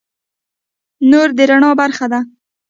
نور د رڼا برخه ده.